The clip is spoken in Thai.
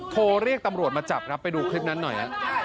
โทรเรียกตำรวจมาจับครับไปดูคลิปนั้นหน่อยฮะ